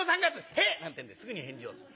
「へえ！」なんてんですぐに返事をする。